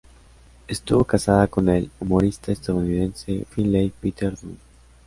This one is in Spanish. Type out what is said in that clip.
Estuvo casada con el humorista estadounidense Finley Peter Dunne.